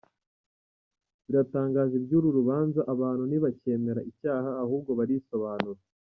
Biratangaje iby’ uru rubanza abantu ntibacyemera icyaha ahubwo barisobanura !